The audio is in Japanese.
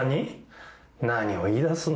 何を言いだすんだ